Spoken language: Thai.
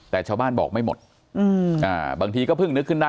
แต่ชาวบ้านบอกไม่หมดบางทีก็เพิ่งนึกขึ้นได้